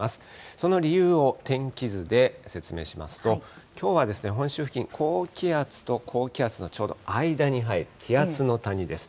その理由を天気図で説明しますと、きょうは本州付近、高気圧と高気圧のちょうど間に入る、気圧の谷です。